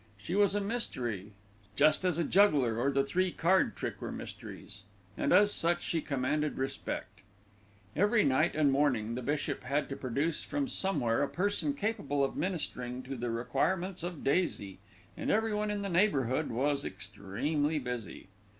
She was a mystery, just as a juggler or the three card trick were mysteries, and as such she commanded respect. Each night and morning the bishop had to produce from somewhere a person capable of ministering to the requirements of Daisy, and everyone in the neighbourhood was extremely busy.